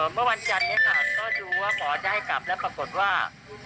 เมื่อวันจันทร์นี้ค่ะก็ดูว่าหมอจะให้กลับแล้วปรากฏว่า